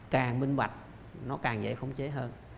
càng minh bạch nó càng dễ khống chế hơn